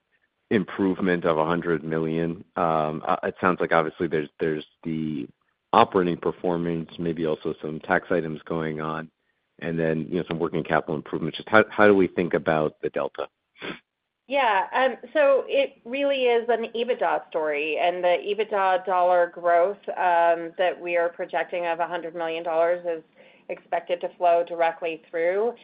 S15: improvement of $100 million? It sounds like, obviously, there's the operating performance, maybe also some tax items going on, and then some working capital improvements. How do we think about the delta?
S5: Yeah. So it really is an EBITDA story. The EBITDA dollar growth that we are projecting of $100 million is expected to flow directly through.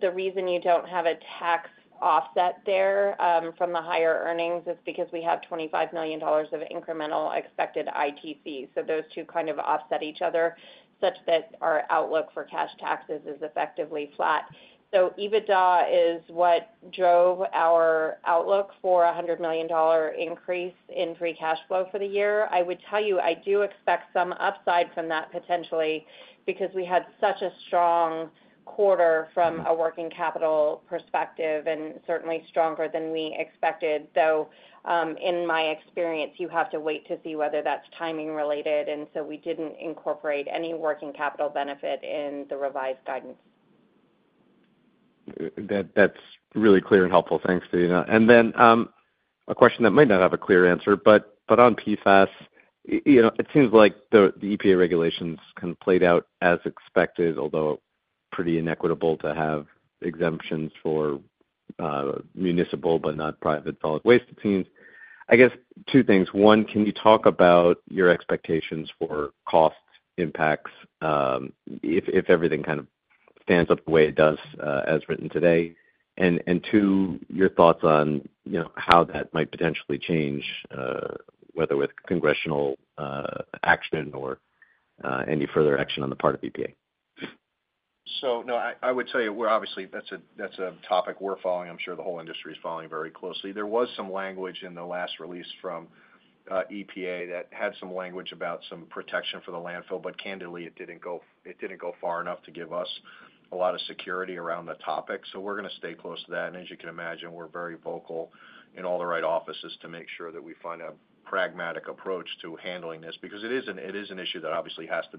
S5: The reason you don't have a tax offset there from the higher earnings is because we have $25 million of incremental expected ITC. So those two kind of offset each other such that our outlook for cash taxes is effectively flat. So EBITDA is what drove our outlook for a $100 million increase in free cash flow for the year. I would tell you, I do expect some upside from that potentially because we had such a strong quarter from a working capital perspective and certainly stronger than we expected. Though in my experience, you have to wait to see whether that's timing-related. So we didn't incorporate any working capital benefit in the revised guidance.
S15: That's really clear and helpful. Thanks, Devina. And then a question that might not have a clear answer, but on PFAS, it seems like the EPA regulations kind of played out as expected, although pretty inequitable to have exemptions for municipal but not private solid waste teams. I guess two things. One, can you talk about your expectations for cost impacts if everything kind of stands up the way it does as written today? And two, your thoughts on how that might potentially change, whether with congressional action or any further action on the part of EPA?
S4: So no, I would tell you, obviously, that's a topic we're following. I'm sure the whole industry is following very closely. There was some language in the last release from EPA that had some language about some protection for the landfill, but candidly, it didn't go far enough to give us a lot of security around the topic. So we're going to stay close to that. And as you can imagine, we're very vocal in all the right offices to make sure that we find a pragmatic approach to handling this because it is an issue that obviously has to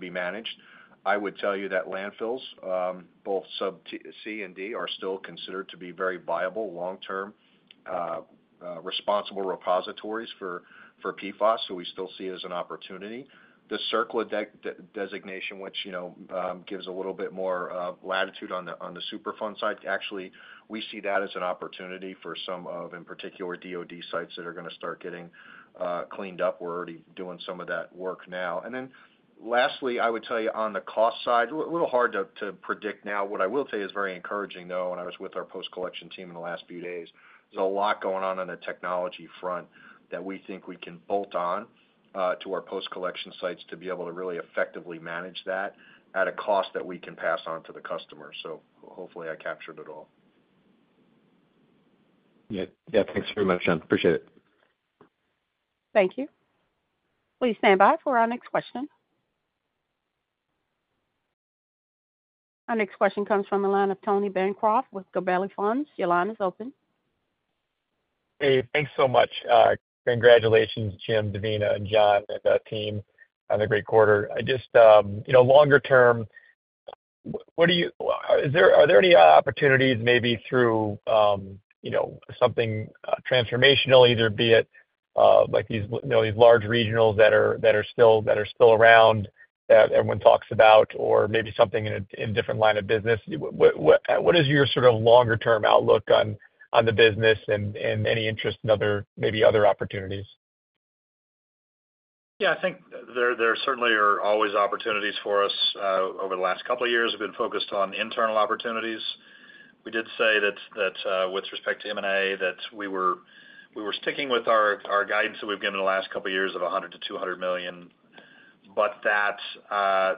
S4: be managed. I would tell you that landfills, both C&D, are still considered to be very viable, long-term, responsible repositories for PFAS. So we still see it as an opportunity. The CERCLA designation, which gives a little bit more latitude on the Superfund side, actually, we see that as an opportunity for some of, in particular, DoD sites that are going to start getting cleaned up. We're already doing some of that work now. And then lastly, I would tell you, on the cost side, a little hard to predict now. What I will tell you is very encouraging, though, when I was with our post-collection team in the last few days, there's a lot going on on the technology front that we think we can bolt on to our post-collection sites to be able to really effectively manage that at a cost that we can pass on to the customer. So hopefully, I captured it all.
S15: Yeah. Yeah. Thanks very much, John. Appreciate it.
S1: Thank you. Please stand by for our next question. Our next question comes from the line of Tony Bancroft with Gabelli Funds. Your line is open.
S16: Hey. Thanks so much. Congratulations, Jim, Devina, and John and the team on the great quarter. Just longer term, what are there any opportunities maybe through something transformational, either be it these large regionals that are still around that everyone talks about or maybe something in a different line of business? What is your sort of longer-term outlook on the business and any interest in maybe other opportunities?
S4: Yeah. I think there certainly are always opportunities for us. Over the last couple of years, we've been focused on internal opportunities. We did say that with respect to M&A, that we were sticking with our guidance that we've given the last couple of years of $100 million-$200 million. But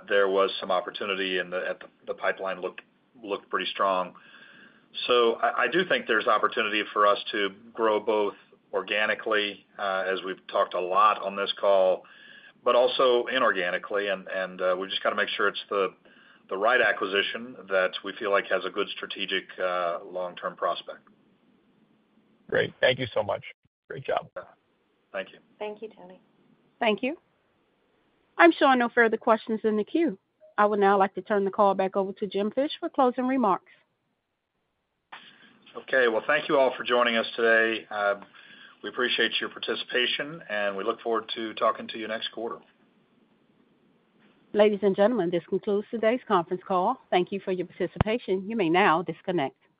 S4: there was some opportunity, and the pipeline looked pretty strong. So I do think there's opportunity for us to grow both organically, as we've talked a lot on this call, but also inorganically. And we just got to make sure it's the right acquisition that we feel like has a good strategic long-term prospect.
S17: Great. Thank you so much. Great job.
S4: Yeah. Thank you.
S5: Thank you, Tony.
S1: Thank you. I'm sure I know further questions in the queue. I would now like to turn the call back over to Jim Fish for closing remarks.
S3: Okay. Well, thank you all for joining us today. We appreciate your participation, and we look forward to talking to you next quarter.
S1: Ladies and gentlemen, this concludes today's conference call. Thank you for your participation. You may now disconnect.